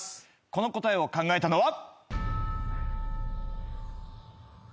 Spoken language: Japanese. この答えを考えたのは。